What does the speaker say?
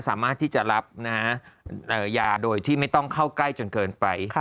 สามารถที่จะรับยาโดยที่ไม่ต้องเข้าใกล้จนเกินไป